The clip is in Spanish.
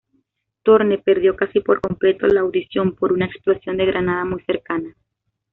Thorne perdió casi por completo la audición por una explosión de granada muy cercana.